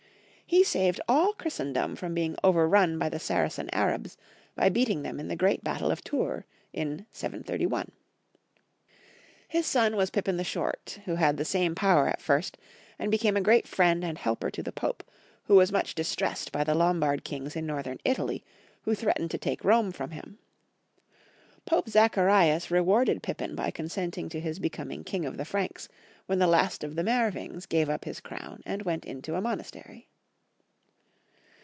He saved all Christendom from being overrun by the Saracen Arabs, by beating them in the great battle of Tours in 731. His son was Pippin the Short, who had the same power at first, and became a great friend and helper to the Pope, who was much distressed by the Lombard kings in Northern Italy, who threat ened to take Rome from him. Pope Zacharias re warded Pippin by consenting to his becoming king of the Franks when the last of the Meerwings gave up his crown and went into a monastery.